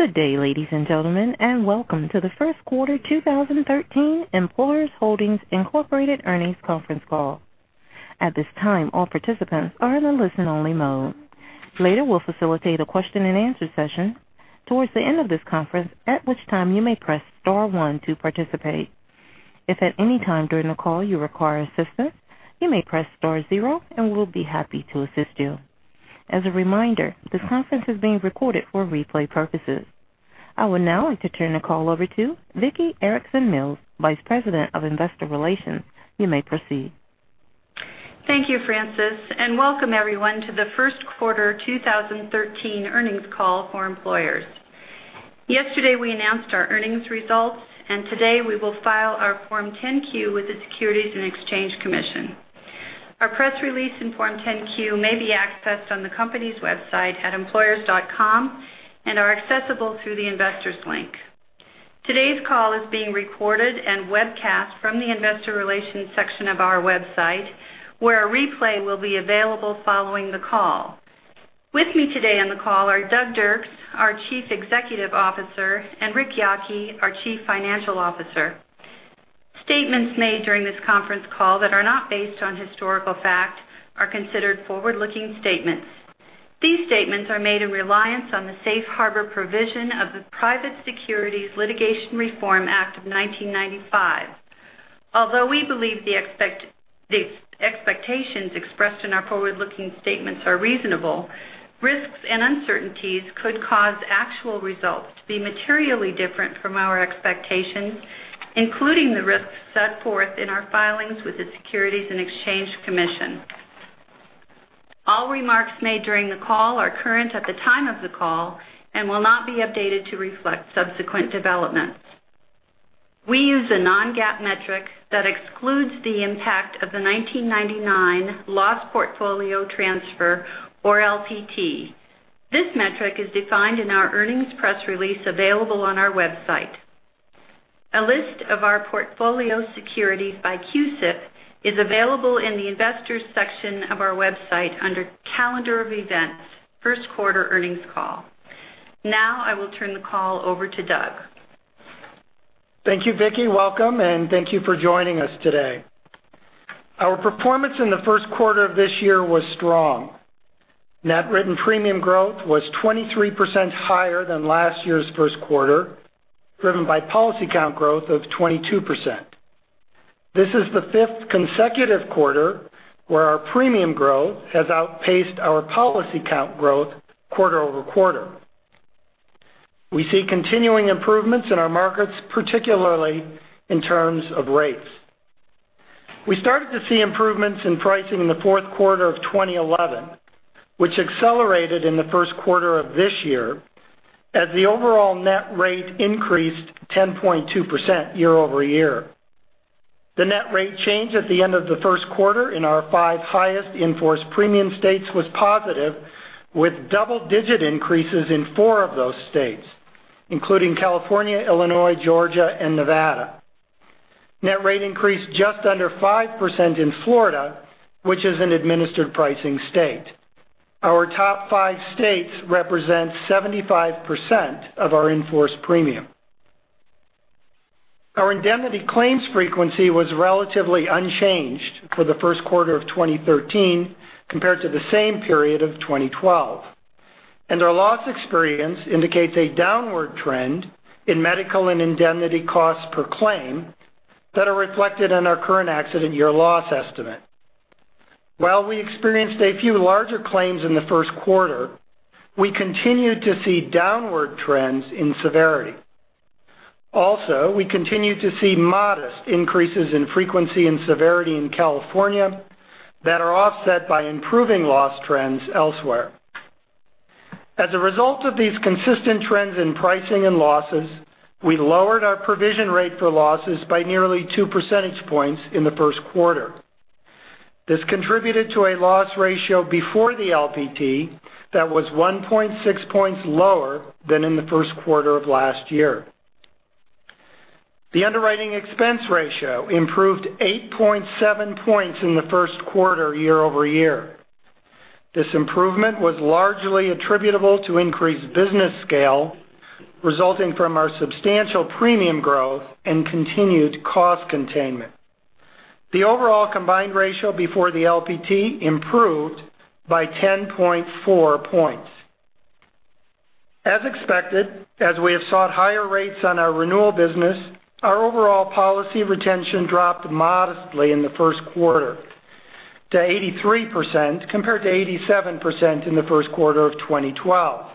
Good day, ladies and gentlemen, welcome to the first quarter 2013 Employers Holdings, Inc. earnings conference call. At this time, all participants are in listen only mode. Later, we'll facilitate a question and answer session towards the end of this conference, at which time you may press star one to participate. If at any time during the call you require assistance, you may press star zero and we'll be happy to assist you. As a reminder, this conference is being recorded for replay purposes. I would now like to turn the call over to Vicki Erickson Mills, Vice President of Investor Relations. You may proceed. Thank you, Francis, welcome everyone to the first quarter 2013 earnings call for Employers. Yesterday, we announced our earnings results, today we will file our Form 10-Q with the Securities and Exchange Commission. Our press release and Form 10-Q may be accessed on the company's website at employers.com and are accessible through the investors link. Today's call is being recorded and webcast from the investor relations section of our website, where a replay will be available following the call. With me today on the call are Doug Dirks, our Chief Executive Officer, and Rick Yockey, our Chief Financial Officer. Statements made during this conference call that are not based on historical fact are considered forward-looking statements. These statements are made in reliance on the safe harbor provision of the Private Securities Litigation Reform Act of 1995. Although we believe the expectations expressed in our forward-looking statements are reasonable, risks and uncertainties could cause actual results to be materially different from our expectations, including the risks set forth in our filings with the Securities and Exchange Commission. All remarks made during the call are current at the time of the call and will not be updated to reflect subsequent developments. We use a non-GAAP metric that excludes the impact of the 1999 loss portfolio transfer, or LPT. This metric is defined in our earnings press release available on our website. A list of our portfolio securities by CUSIP is available in the investors section of our website under calendar of events, first quarter earnings call. I will turn the call over to Doug. Thank you, Vicki. Welcome, thank you for joining us today. Our performance in the first quarter of this year was strong. Net written premium growth was 23% higher than last year's first quarter, driven by policy count growth of 22%. This is the fifth consecutive quarter where our premium growth has outpaced our policy count growth quarter-over-quarter. We see continuing improvements in our markets, particularly in terms of rates. We started to see improvements in pricing in the fourth quarter of 2011, which accelerated in the first quarter of this year as the overall net rate increased 10.2% year-over-year. The net rate change at the end of the first quarter in our five highest in-force premium states was positive, with double-digit increases in four of those states, including California, Illinois, Georgia, and Nevada. Net rate increased just under 5% in Florida, which is an administered pricing state. Our top five states represent 75% of our in-force premium. Our indemnity claims frequency was relatively unchanged for the first quarter of 2013 compared to the same period of 2012. Our loss experience indicates a downward trend in medical and indemnity costs per claim that are reflected in our current accident year loss estimate. While we experienced a few larger claims in the first quarter, we continued to see downward trends in severity. We continued to see modest increases in frequency and severity in California that are offset by improving loss trends elsewhere. As a result of these consistent trends in pricing and losses, we lowered our provision rate for losses by nearly two percentage points in the first quarter. This contributed to a loss ratio before the LPT that was 1.6 points lower than in the first quarter of last year. The underwriting expense ratio improved 8.7 points in the first quarter year-over-year. This improvement was largely attributable to increased business scale resulting from our substantial premium growth and continued cost containment. The overall combined ratio before the LPT improved by 10.4 points. As expected, as we have sought higher rates on our renewal business, our overall policy retention dropped modestly in the first quarter to 83%, compared to 87% in the first quarter of 2012.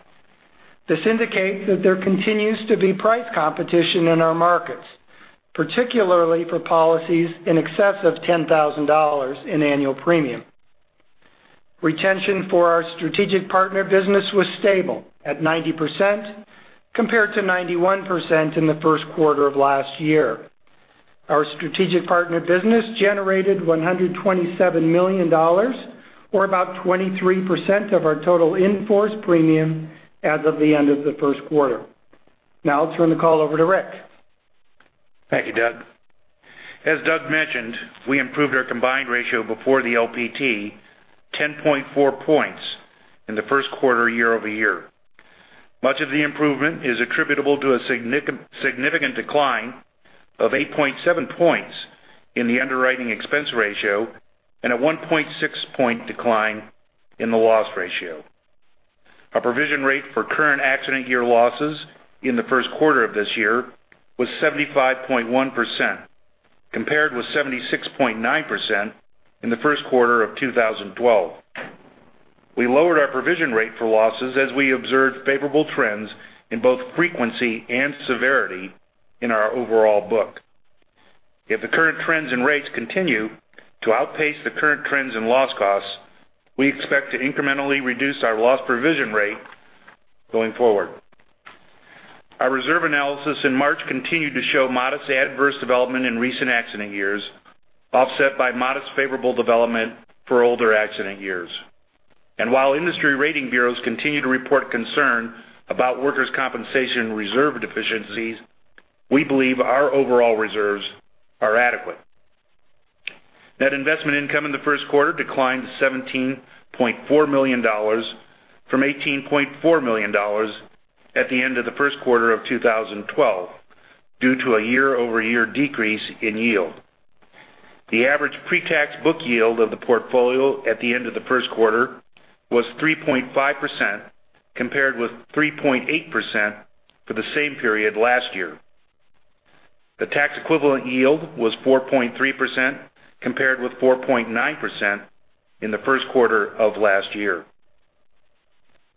This indicates that there continues to be price competition in our markets, particularly for policies in excess of $10,000 in annual premium. Retention for our strategic partner business was stable at 90%, compared to 91% in the first quarter of last year. Our strategic partner business generated $127 million, or about 23% of our total in-force premium as of the end of the first quarter. I'll turn the call over to Rick. Thank you, Doug. As Doug mentioned, we improved our combined ratio before the LPT 10.4 points in the first quarter year-over-year. Much of the improvement is attributable to a significant decline of 8.7 points in the underwriting expense ratio and a 1.6-point decline in the loss ratio. Our provision rate for current accident year losses in the first quarter of this year was 75.1%, compared with 76.9% in the first quarter of 2012. We lowered our provision rate for losses as we observed favorable trends in both frequency and severity in our overall book. If the current trends and rates continue to outpace the current trends in loss costs, we expect to incrementally reduce our loss provision rate going forward. Our reserve analysis in March continued to show modest adverse development in recent accident years, offset by modest favorable development for older accident years. While industry rating bureaus continue to report concern about workers' compensation reserve deficiencies, we believe our overall reserves are adequate. Net investment income in the first quarter declined to $17.4 million from $18.4 million at the end of the first quarter of 2012 due to a year-over-year decrease in yield. The average pre-tax book yield of the portfolio at the end of the first quarter was 3.5%, compared with 3.8% for the same period last year. The tax-equivalent yield was 4.3%, compared with 4.9% in the first quarter of last year.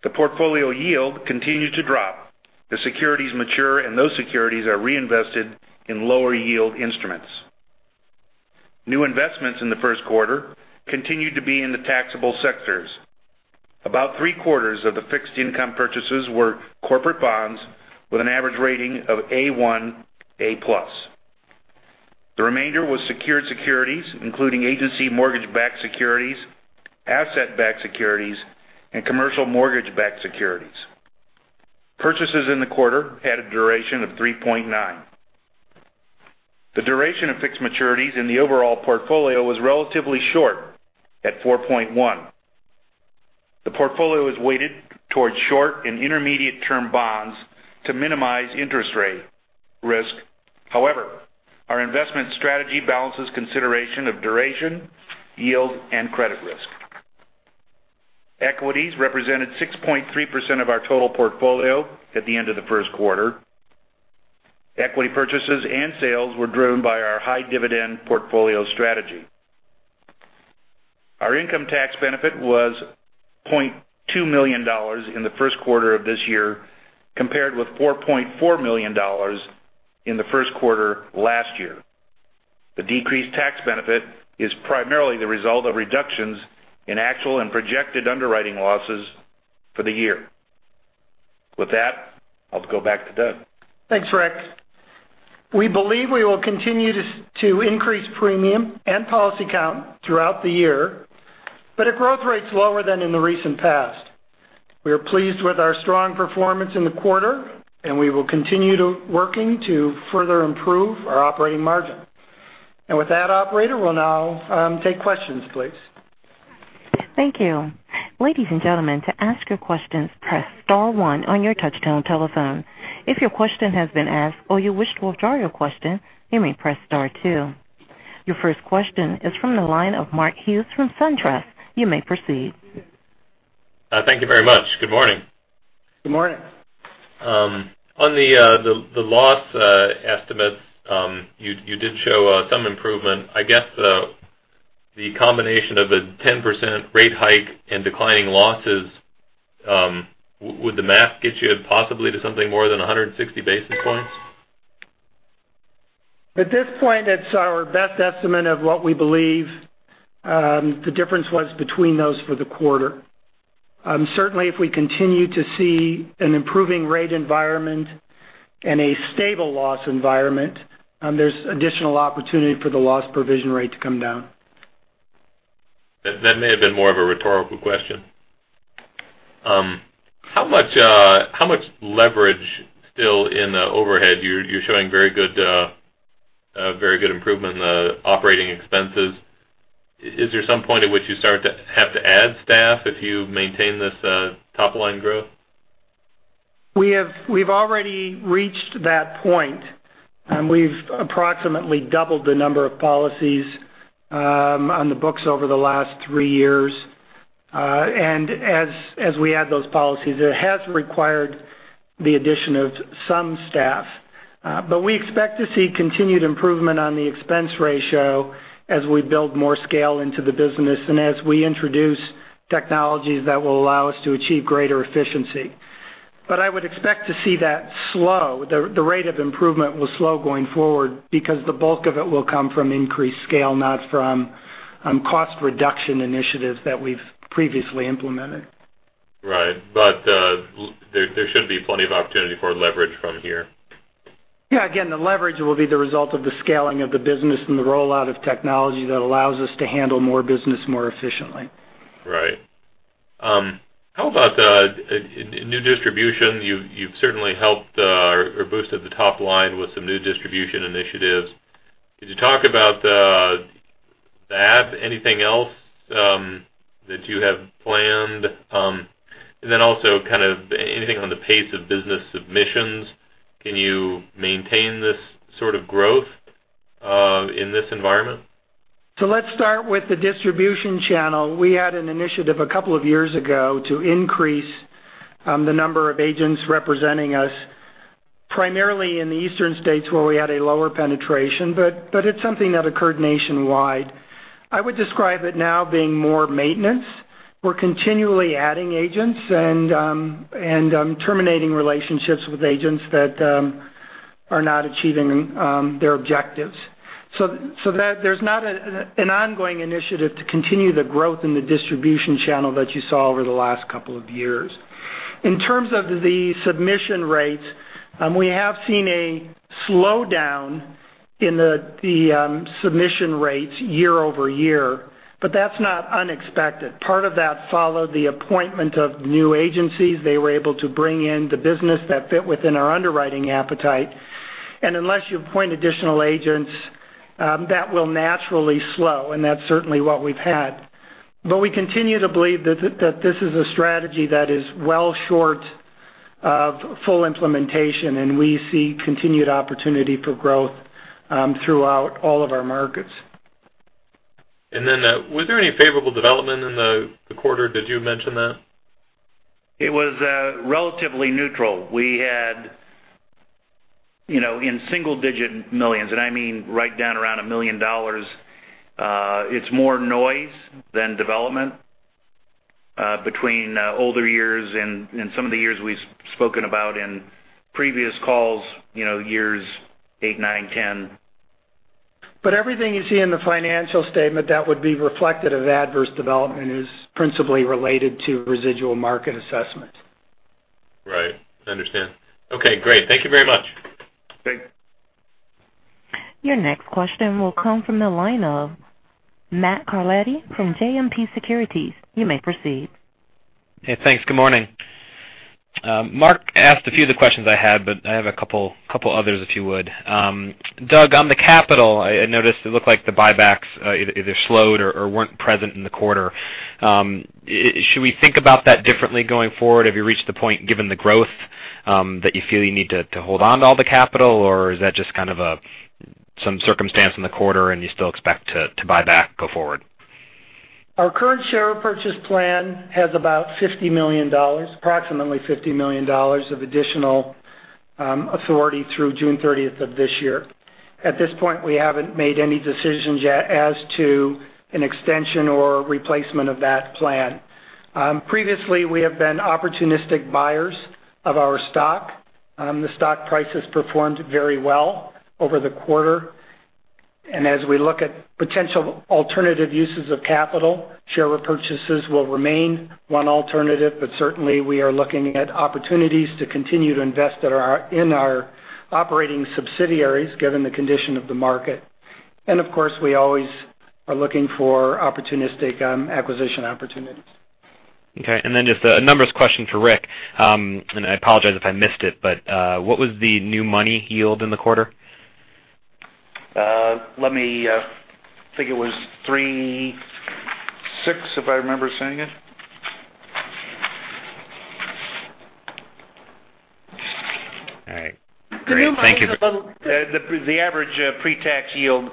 The portfolio yield continued to drop as securities mature, and those securities are reinvested in lower yield instruments. New investments in the first quarter continued to be in the taxable sectors. About three-quarters of the fixed income purchases were corporate bonds with an average rating of A1, A+. The remainder was secured securities, including agency mortgage-backed securities, asset-backed securities, and commercial mortgage-backed securities. Purchases in the quarter had a duration of 3.9. The duration of fixed maturities in the overall portfolio was relatively short, at 4.1. The portfolio is weighted towards short and intermediate term bonds to minimize interest rate risk. However, our investment strategy balances consideration of duration, yield, and credit risk. Equities represented 6.3% of our total portfolio at the end of the first quarter. Equity purchases and sales were driven by our high dividend portfolio strategy. Our income tax benefit was $0.2 million in the first quarter of this year, compared with $4.4 million in the first quarter last year. The decreased tax benefit is primarily the result of reductions in actual and projected underwriting losses for the year. With that, I'll go back to Doug. Thanks, Rick. We believe we will continue to increase premium and policy count throughout the year, but at growth rates lower than in the recent past. We are pleased with our strong performance in the quarter, and we will continue working to further improve our operating margin. With that, operator, we'll now take questions, please. Thank you. Ladies and gentlemen, to ask your questions, press star one on your touchtone telephone. If your question has been asked or you wish to withdraw your question, you may press star two. Your first question is from the line of Mark Hughes from SunTrust. You may proceed. Thank you very much. Good morning. Good morning. On the loss estimates, you did show some improvement. I guess the combination of a 10% rate hike and declining losses, would the math get you possibly to something more than 160 basis points? At this point, that's our best estimate of what we believe the difference was between those for the quarter. Certainly, if we continue to see an improving rate environment and a stable loss environment, there's additional opportunity for the loss provision rate to come down. That may have been more of a rhetorical question. How much leverage still in the overhead? You are showing very good improvement in the operating expenses. Is there some point at which you start to have to add staff if you maintain this top-line growth? We have already reached that point, we have approximately doubled the number of policies on the books over the last three years. As we add those policies, it has required the addition of some staff. We expect to see continued improvement on the expense ratio as we build more scale into the business and as we introduce technologies that will allow us to achieve greater efficiency. I would expect to see that slow. The rate of improvement will slow going forward because the bulk of it will come from increased scale, not from cost reduction initiatives that we have previously implemented. Right. There should be plenty of opportunity for leverage from here. Yeah. Again, the leverage will be the result of the scaling of the business and the rollout of technology that allows us to handle more business more efficiently. Right. How about the new distribution? You've certainly helped or boosted the top line with some new distribution initiatives. Could you talk about that? Anything else that you have planned? Anything on the pace of business submissions. Can you maintain this sort of growth, in this environment? Let's start with the distribution channel. We had an initiative 2 years ago to increase the number of agents representing us, primarily in the eastern states where we had a lower penetration. It's something that occurred nationwide. I would describe it now being more maintenance. We're continually adding agents and terminating relationships with agents that are not achieving their objectives. There's not an ongoing initiative to continue the growth in the distribution channel that you saw over the last 2 years. In terms of the submission rates, we have seen a slowdown in the submission rates year over year. That's not unexpected. Part of that followed the appointment of new agencies. They were able to bring in the business that fit within our underwriting appetite. Unless you appoint additional agents, that will naturally slow, and that's certainly what we've had. We continue to believe that this is a strategy that is well short of full implementation, and we see continued opportunity for growth throughout all of our markets. Was there any favorable development in the quarter? Did you mention that? It was relatively neutral. We had in single digit millions, and I mean right down around $1 million. It is more noise than development, between older years and some of the years we have spoken about in previous calls, years eight, nine, 10. Everything you see in the financial statement that would be reflected of adverse development is principally related to residual market assessment. Right. I understand. Okay, great. Thank you very much. Great. Your next question will come from the line of Matt Carletti from JMP Securities. You may proceed. Hey, thanks. Good morning. Mark asked a few of the questions I had, but I have a couple others, if you would. Doug, on the capital, I noticed it looked like the buybacks either slowed or weren't present in the quarter. Should we think about that differently going forward? Have you reached the point, given the growth, that you feel you need to hold on to all the capital, or is that just kind of some circumstance in the quarter and you still expect to buy back go forward? Our current share purchase plan has about $50 million, approximately $50 million of additional authority through June 30th of this year. At this point, we haven't made any decisions yet as to an extension or replacement of that plan. Previously, we have been opportunistic buyers of our stock. The stock price has performed very well over the quarter. As we look at potential alternative uses of capital, share repurchases will remain one alternative. Certainly, we are looking at opportunities to continue to invest in our operating subsidiaries, given the condition of the market. Of course, we always are looking for opportunistic acquisition opportunities. Okay. Just a numbers question for Rick. I apologize if I missed it, but what was the new money yield in the quarter? Let me think. It was 3.6, if I remember seeing it. All right. Great. Thank you. The new money is a little- The average pre-tax yield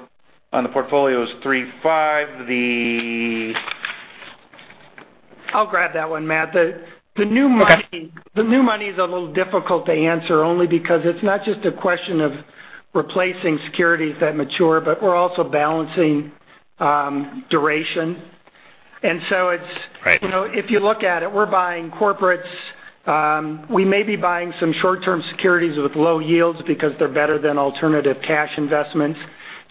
on the portfolio is 3.5%. The- I'll grab that one, Matt. Okay. The new money is a little difficult to answer, only because it's not just a question of replacing securities that mature, but we're also balancing duration. So it's- Right If you look at it, we're buying corporates. We may be buying some short-term securities with low yields because they're better than alternative cash investments.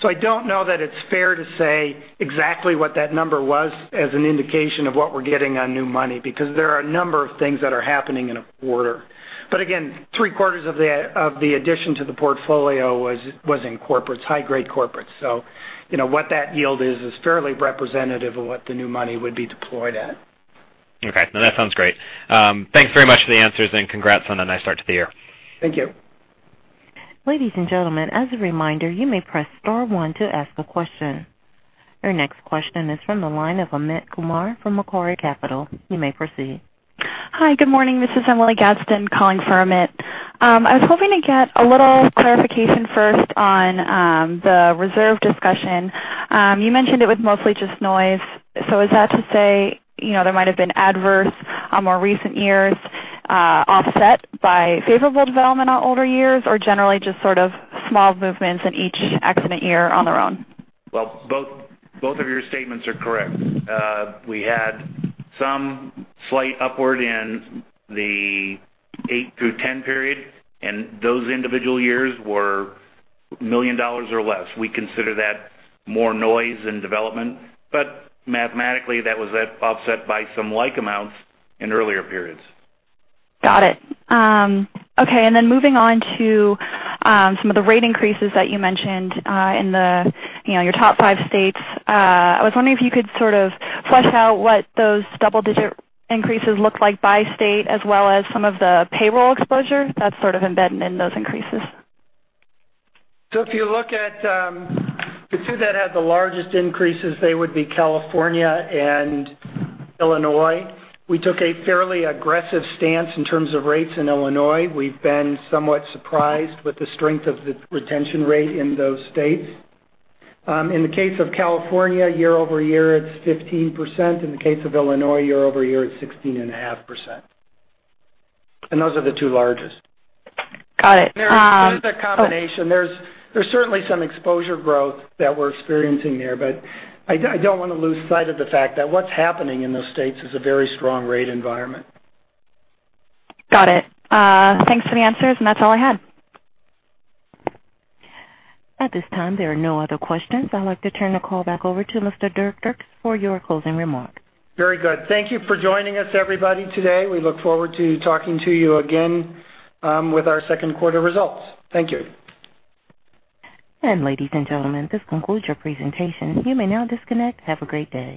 I don't know that it's fair to say exactly what that number was as an indication of what we're getting on new money, because there are a number of things that are happening in a quarter. Again, three-quarters of the addition to the portfolio was in corporates, high-grade corporates. What that yield is fairly representative of what the new money would be deployed at. Okay. No, that sounds great. Thanks very much for the answers, and congrats on a nice start to the year. Thank you. Ladies and gentlemen, as a reminder, you may press star one to ask a question. Your next question is from the line of Amit Kumar from Macquarie Capital. You may proceed. Hi, good morning. This is Emily Gadsden calling for Amit. I was hoping to get a little clarification first on the reserve discussion. You mentioned it was mostly just noise. Is that to say there might have been adverse on more recent years, offset by favorable development on older years, or generally just sort of small movements in each accident year on their own? Both of your statements are correct. We had some slight upward in the eight through 10 period, and those individual years were $1 million or less. We consider that more noise than development, mathematically, that was offset by some like amounts in earlier periods. Got it. Moving on to some of the rate increases that you mentioned in your top five states. I was wondering if you could sort of flesh out what those double-digit increases look like by state, as well as some of the payroll exposure that's sort of embedded in those increases. If you look at the two that had the largest increases, they would be California and Illinois. We took a fairly aggressive stance in terms of rates in Illinois. We've been somewhat surprised with the strength of the retention rate in those states. In the case of California, year over year, it's 15%. In the case of Illinois, year over year, it's 16.5%. Those are the two largest. Got it. There's a combination. There's certainly some exposure growth that we're experiencing there, but I don't want to lose sight of the fact that what's happening in those states is a very strong rate environment. Got it. Thanks for the answers, that's all I had. At this time, there are no other questions. I'd like to turn the call back over to Mr. Dirk Dirks for your closing remark. Very good. Thank you for joining us, everybody, today. We look forward to talking to you again with our second quarter results. Thank you. Ladies and gentlemen, this concludes your presentation. You may now disconnect. Have a great day.